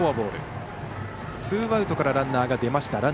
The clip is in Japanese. ツーアウトからランナーが出ました。